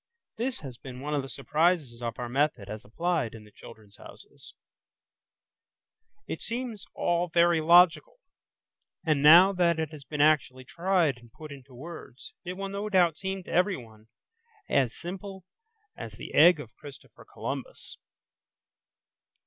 This has been one of the surprises of our method as applied in the "Children's Houses". It all seems very logical, and now that it has been actually tried and put into words, it will no doubt seem to everyone as simple as the egg of Christopher Columbus.